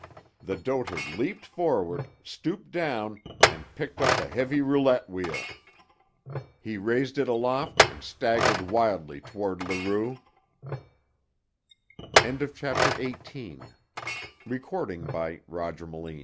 The dotard leaped forward, stooped down, and picked up the heavy roulette wheel. He raised it aloft and staggered wildly toward Leroux. CHAPTER XIX THE HIDDEN CHAMBER S